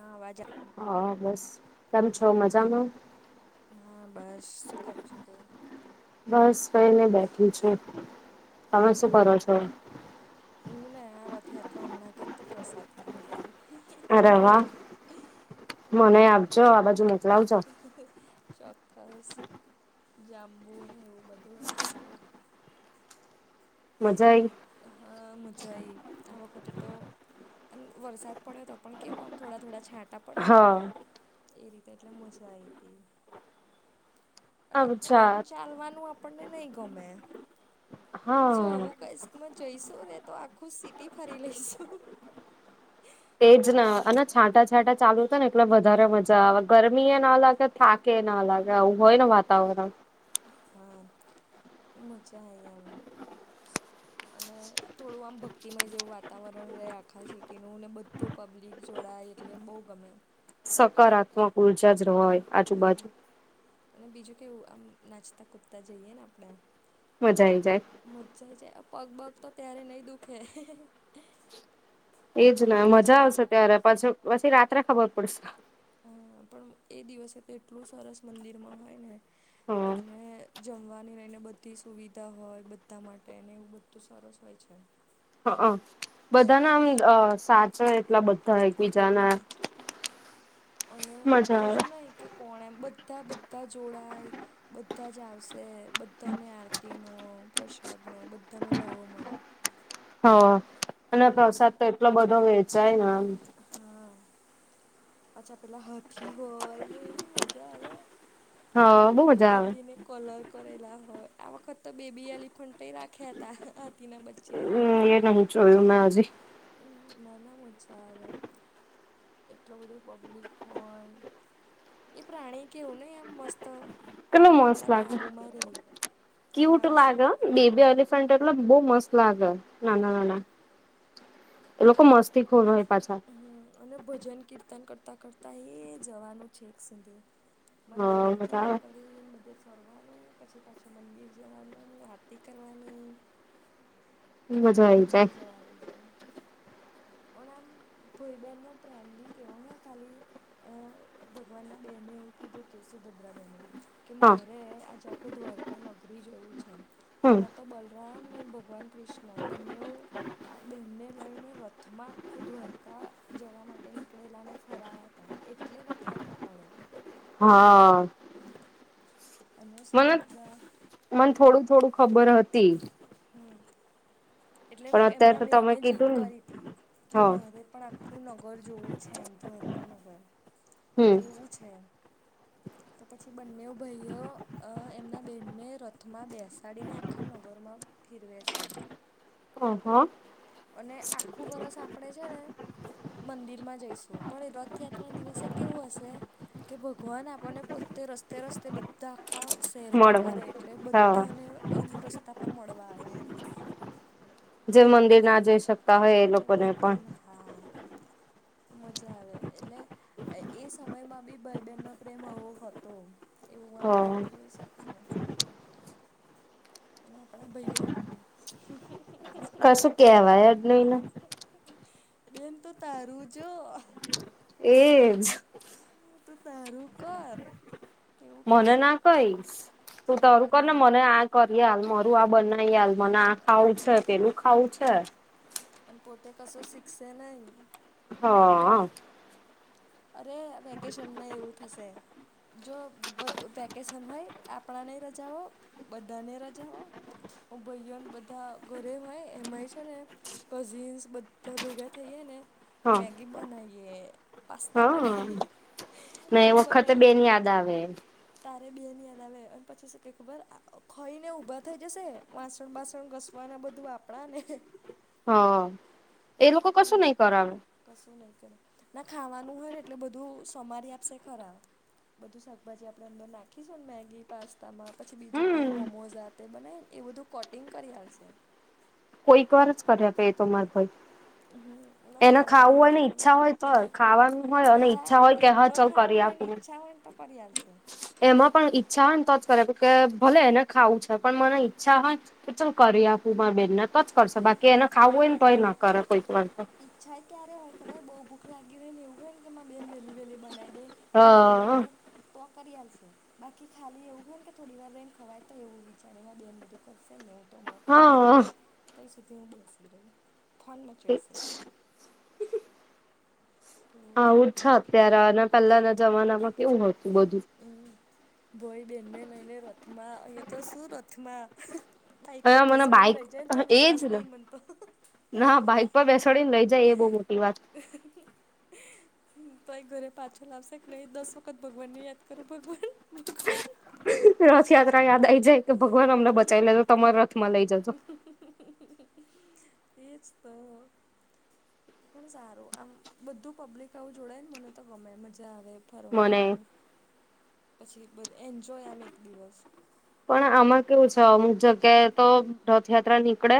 હા વાજ હા બસ તમે છો મજામાં? હા બસ કરો છો તો! બસ કઈને બેઠી‌ છે. તમે શું કરો છો બરાબર હું ને આ રથયાત્રા હમણાં કને તો પ્રસાદ ખાતી. હ અરે વાહ મને આપજો આ બાજુ મોકલાવજો હ ચોક્કસ જાંબુન એવું બધું હતું તો મજા આઈ. હા મજાએ આ વખતે તો એમ વરસાદ પડ્યો તો પણ કેવું આમ થોડા થોડા છાંટા પડે ને હા એ રીતે એટલે મજા આવી હતી. અને આમ અચ્છા ચાલવાનું આપણને નહી ગમે. પણ જો હા આવું કઈશકમાં જઈશું ને તો આખું સિટી ફરી લઈશું. તેજ અને છાંટા છાંટા ચાલુ હત ને એટલે વધારે મજા આવે ઘરે એ ના અાગે થા એ ના લાગે આવું હોય ને વાતાવરણ. હા મુજા એમ. અને થોડું આમ ભક્તિમય જેવું વાતાવરણ રહે આખા સિટીનું ને બધું પબ્લિક જોડાય એટલે બહુ ગમે. સકારાત્મક ઉર્જા જ હોય આજુબાજુ. અને બીજું કેવું આમ નાચતા કૂદતા જઈએ ને આપણે. મજા આઈ જાય. મજ્જાય જાય પગ પગ તો ત્યારે નઈ દુખે. એજ ને પણ મજા આવશે આવે ત્યારે પછ પછી રાત્રે ખબર પડશે. હા પણ એ દિવસે તો એટલું સરસ મંદિરમાં હોય ને હા અને જમવાની લઈને બધી સુવિધા હોય બધા માટે અને એવું બધું સરસ હોય છે હ બધા ના આમ સાચા એટલા બધા એકબીજાના હમ અને મજા આવે. એવું નાહ કે કોણ એમ બધા બધા જોડાય. બધા જ આવશે બધાને આરતી નો પ્રસાદ નો બધાનો લહાવો મળે હ અને પ્રસાદ પછી તો એટલો બધો વેચાય ન હા પાછા પેલા હાથી હોય ને એવી મજા આવે હા બહુ મજા આવે. હાથી ને કલર કરેલા હોય આ વખત તો બેબી એલિફન્ટય રાખ્યા હતા હાથીના બચ્ચા હ એ નહ જોયું મેં હજી હમ નાના મજા આવે એટલો બધો પબ્લિક હોય. એ પ્રાણી કેવું નહીં એમ મસ્ત કેટલો આમ મસ્ત આપણા લાગે કાબુમાં રહે ક્યુટ માણસના લાગે અ બેબી એલિફ ફ્રન્ટ એટલો બહુ મસ્ત લાગે હા એ લોકો મસ્તી ખોર હોય પાછા હમ અને ભજન કીર્તન કરતા કરતા એ જવાનું છે છેક સુધી મંદિર હા થી મજા ચાલુ આવે કરી ન બધે સ ફરવાનું પછી પાછું મંદિર જવાનું આરતી કરવાની મજા આયી મજા આવી જાય અને આમ ભઈ બેનનો પ્રેમ બી કેવો હે ખાલી અ ભગવાન ના બેને એવું કીધું તું સુભદ્રા બેહેને કે હા મારે આજે આખું દ્વારકા નગરી જોયું છે હમ્મ એમાં તો બ રામ ને ભગવાન કૃષ્ણ બંને ઓ આ બેનને લઈને રથમાં આખું દ્વારકા જવા માટે નીકળેલા ને ફરાયા હતા. એટલે રથયાત્રા કાઢે હા આ અને મને સુભદ્રા મને થોડું થોડું ખબર હતી. હમ એટલે પણ અત્યારે એમના તો તમે બેને જીદ કીધું ને કરી તી કે હા મારે પણ આ ખું નગર જોવું છે એમ દ્વારકા નગર હમ્મ કેવું છે. તો પછી બંને ભઈઓ એમના બેનને રથમાં બેસાડીને આખા નગરમાં ફેરવે છે. હ હ અને આખું વર્ષ આપડે છે ને મંદિર માં જઈશું પણ રથયાત્રા ના દિવસે કેવું હશે. કે ભગવાન આપણને પોતે રસ્તે રસ્તે બધ ધા શહેરમાં ફરે એટલે મળવા હા બધાને આમ રસ્તા પર મળવા આવે એમ જે મંદિર ના જઈ શકતા જે હોય એ શકાય ને લોકોને પણ બધાને હા મજા આવે એટલે એ સમયમાં બી ભઈબહેનનો પ્રેમ આવો હતો. એવું હ આમ આપણે જોઈ શકીએ ને અને આપણા ભયો કશું કેવાય જ નઈને બેન તો તારું જો એજ તું તારું કર એવું મને કેશે ના કહીશ તું તરું કર ને મન મને આ કરી આલ તું આ બનાવી આલ મને આ ખાવું છે પેલું ખાવું છે. અન પોતે કશું શિખસે નહી હ અ અરે અ વેકેશનમાં એવું થશે જો વેકેશન હોય આપણાને ય રજાઓ બધાને રજાઓ ભઈઓને બધા ઘરે હોય એમાંય છે ને કઝિન્સ બધા ભેગા થઈએ ને હ મેગી બનાઈએ પાસ્તા હા બનાઈએ ને એ હા વખતે બનાય બેન યાદ આવે તારે બેન યાદ આવે અને પછી શું કે ખબર ખઈ ને ઊભા થઈ જશે વાસણ બાસણ ઘસ વાના બધું આપણા ને હ એ લોકો કસુ એવું નહી કરાવે કશું નહી કરે ના ખાવાનું હોય ને એટલે બધું સમારી આપશે ખરા બધું શાકભાજી આપણે અંદર નાખીશું ને મેગી પાસ્તામાં પછી બીજું કઈ હમ મોમોઝ તે બનાય ને એ બધું કટિંગ કરી આલશે કોઈક વાર જ કર્યા પે એ તો મારે ભાઈ હમ ના એને મારા ખાવું ભાઈઓ હોય તો ને ઈચ્છા હોય તો ખાવાનું હોય અને ઈચ્છા હોય કે હા ચાલ કરી આપું ઈ ચ્છા હોયન તો કરીઆલ શે એમાં પણ ઈચ્છા હોય ને તો જ કરી આપે ભલે એને ખાવું છે પણ મને ઈચ્છા હોય તો ચાલ કરી આપું માર બેનને તો જ કરશે બાકી એને ખાવું હોને તોય ના કર કોઈક વાર તો ઈચ્છા ક્યારેય હોય ખબર બઉ ભૂખ લાગી હોય ને એવું હોયને કે મારી બેન વહેલી વહેલી બનાય દે અને ખાઈ હા લઈએ તો આ કરી આ લશે બાકી ખાલી એવું હોય ને કે થોડી વાર રઇન ખવાય તો એવું વિચારે મારી બેન બધું કરશેને એવું તો ખા ઉં છું હા કઈ સુધી હું બેસી રહું ફોન મચેડશે એવું છે. આવું છ અત્યારે અને પહેલાના જમાનામાં કેવું હતું બધું હમ ભોઈ બહેનને લઈને રથમાં અહીયા તો શું રથમાં બાઈક હવે પર મને બેસાડી બાઈક લઈ જાય ને તોયે એજ વિશ્વાસ ને નહી મનતો ના બાઇક પર બેસાડી ને લઈ જાય એ બહુ મોટી વાત હ.. હ... હ... તોય ઘરે પાછો લાવશે કે નહી દસ વખત ભગવાન ને યાદ કરું ભગવાન ભગવાન રથયાત્રા યાદ આઈ જાય કે ભગવાન અમને બચાવી લેજો તમારા રથમાં લઇ જજો હમમ.. હમમ એ જ તો પણ સારું આમ બધું પબ્લિક આવું જોડાય ને મને તો ગમે મજા આવે મને ફરવાનું પછી બધ એન્જોય આમ એક દિવસ પણ આમાં કેવું છે અમુક જગ્યાએ તો રથયાત્રા નીકળે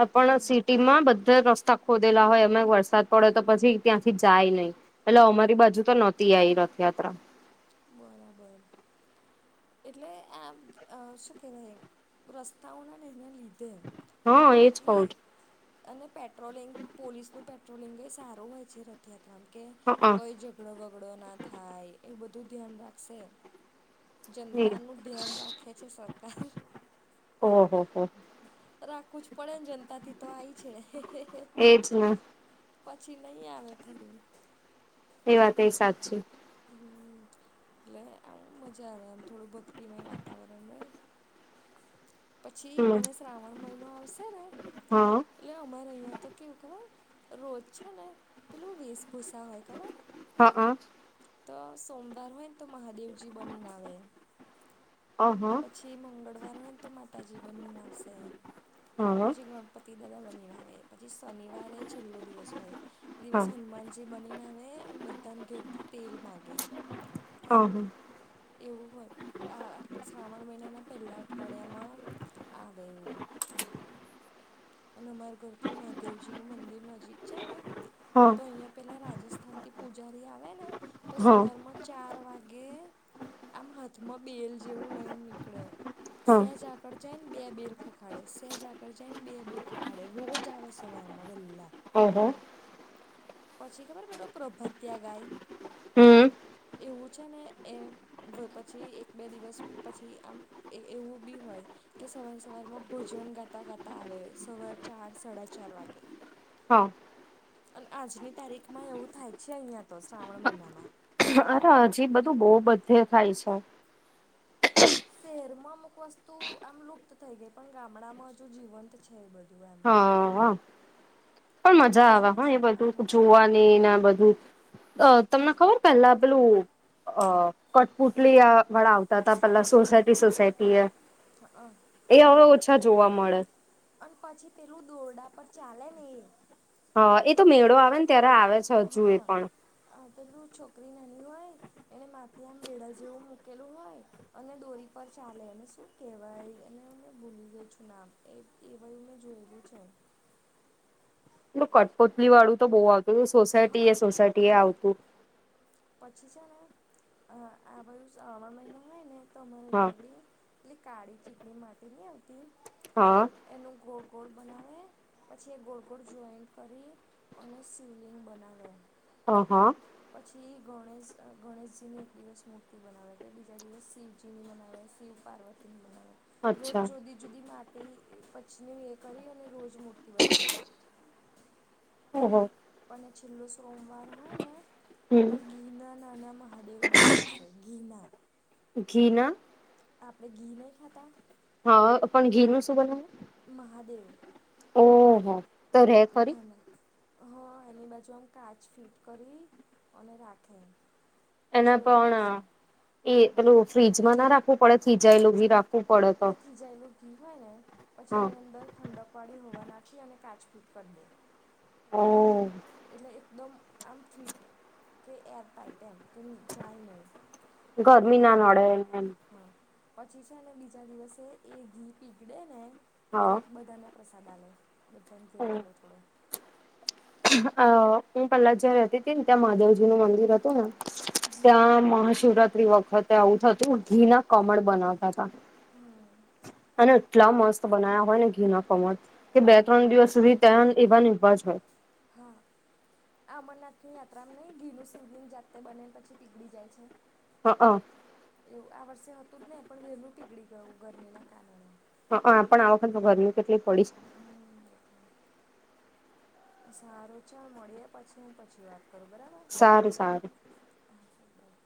આપણે સિટી માં બધા રસ્તા ખોદેલા હોય એ માયે વરસાદ પડે તો પછી ત્યાંથી જાય નહી એટલે અમારી બાજુ તો નહોતી આવી રથયાત્રા બરાબર એટલે આમ શું કહેવાય રસ્તાઓને ને એને લીધે હા એજ કઉ બાકી અને પેટ્રોલિંગ પોલીસનું પેટ્રોલિંગયે સારું હોય છે રથ રથયાત્રામાં કે છું હા કોઈ ઝઘડો બગડો ના થાય એવું બધું ધ્યાન રાખશે એ જનતા નું ધ્યાન રાખે છે સરકાર ઓહો હો રાખું જ પડે ને જનતા થી તો આઈ છે હે.. હે.. હે.. એજ ને પછી નહી આવે ફરી એ વાત એ સાચી હ એટલે આવું મજા આવે આમ થોડું ભક્તિમય વાતાવરણ રહે પછી હમ હવે શ્રાવણ મહિનો આવશે ને હા એટલે અમારે અહીંયા તો કેવું ખબર રોજ છે ને પેલું વીસ ભૂસા હોય ખબર હા તો સોમવાર હોય તો મહાદેવજી બની ને આવે અ. હ... પછી મંગળવાર હોય ને તો માતાજી બનીને આવશે હા પછી ગણપતિ દાદા બનીને આવે પછી શનિવારે છેલ્લો દિવસ હોય એ હા દિવસ હા હનુમાન જે બનીને આવે અને બધાને ઘેર થી તેલ માગે હા એવું હોય આતો શ્રાવણ મહિનાના પહેલા અઠવાડિયામા આવે એવુ અને અમારા ઘરથી માદેવજીનુ મંદિર નજીક છેને. હા તો અઈયા પેલા રાજસ્થાનથી પૂજારી આવે ને તો હા સવારમાં ચાર વાગે આમ હાથમા બેલ જેવુ લઈને નીકળે હા સેજ આ કળ જાય ને બે બેલ ખખાડે સહેજ આ‌‌ગળ જાય ને બે બેલ ખખાડે રોજ આવે સવારમાં વેલ્લા હા હા પછી ખબર પેલો પ્રભાતિયા ગાય. હમ્મ એવું છેને, એમ ભ પછી એક બે દિવસ પછી આમ એ એવું બી હોય. કે સવારે સવારેમાં ભોજન ગાતા ગાતા આવે સવાર ચાર સાડા ચાર વાગે હા અને આજની તારીખમાં એવું થાય છે અહીંયા તો શ્રાવણ મહિનામા અરે હજી બધુ બો બધે થાય છે. શહેરમાં અમુક વસ્તુ આમ લુપ્ત થઈ ગેઈ પણ ગામડામા હજુ જીવંત છે, બધું એમ હા પણ મજા આવે, પછી હ, એ બધું હા જોવાની ને બધુ અ તમને ખબર પેલા પેલું અ કઠપુટલી અ વાળા આવ વાળા અતા પેલા હા સોસાયટી સોસાયટી એ હા એ અવે ઓછા જોવા મળે અન પછી પેલું દોરડા પર ચાલે ને એ હ, એ તો પેલું મેળો આવે ને ત્યારે આવે છે, હજુ હઅ એ પણ આ પેલું છોકરી નાની હોય, એને માથે આમ બેડા જેવું મૂકેલુ હોય. અને દોરી પર ચાલે એને શું કેહેવાય? એને અમે ભૂલી ગઈ છુ, નામ એ એ બધુ મેં જોયેલુ છે. પેલુ કઠપુતલી વાળું તો બો આવતું સોસાયટી હઅ એ સોસાયટી એ આવતુ પછી છેને, અ આ બધુ શ્રાવણ મહિનો હોય ને તો અમારે અહીયા હા આગળી પેલી કાળી ચીકણી માટી ની આવતી હા, એનું ગો ગોળ બનાવે પછી એ ગોળ ગોળ જોઈન્ટ કરી અને શિવલિંગ બનાવે હા હા થી ગણેશ અ ગણેશજીની એક દિવસ મૂર્તિ બનાવે પહી બીજા દિવસ શિવજીની બનાવે શિવ પાર્વતી તીન બનાવે રોજ અચ્છા જુદી જુદી માટી એ પછી એ કરી અને રોજ મૂર્તિ બનાવે આહો પણ છેલ્લો સોમવાર હો. હોય ને તો હમ ધી ના નાના મહાદેવ બનાવે છે, ધી ના ઘી ના આપણેે ઘી નહી ખાતા હમ, પણ ઘી નુ શું બનાવુ મહાદેવ ઓહ નાના, હ, એની બાજુ આમ કાચ ફિટ કરી અને રાખે એમ એના પણ એ પેલું ફ્રીજમાં ના રાખ રાખવું પડે થીજાયેલુંવી રાખવું પડે તો જાયેલું ઘી હોય ને પછી હા. એની અંદર ઠંડકવાળી હવા નાખી અને કાચ ફીટ કરી દે હમ. એટલે એકદમ આમ ફિટ. કે એયરટાઈટ એમ કઈ જાય નહી, ગરમી હવા ના અંદર. નડે એમ હ, પછી છે ને બીજા દિવસે એ ઘી પીગડે ને હા. એટલે બધાને. પ્રસાદ આલે બધાને ઘેર થોડો થોડો અ હું પહેલા જ્યાં રેહતી હતી ને ત્યાં મહાદેવજી નું મંદિર હતું ને ત્યાં મહાશિવરાત્રી વખતે આવું થતું ઘી ના કમળ બનાવતા હતા હમમ અને એટલા મસ્ત બનાવ્યા હોય ને ઘીના કમળ કે બે હમ ત્રણ દિવસ સુધી ત્યાં એવા ને એવા જ હોય હા. અમરનાથની યાત્રામાં નહીં ઘીનું શિવલિંગ જાતે બનેને પછી પીગળી જાય છે. હા હ અ એવું આ વર્ષે હતું જ નહી પણ વહેલું પીગળી ગયું ગરમીના કારણે. હ- હ પણ આ વખતમાં ગરમી કેટલી પડી. હમ -એટલે. સારું ચાલ મળીએ પછી હું પછી વાત કરું બરાબર. સારું સારું. હા ચાલ બાય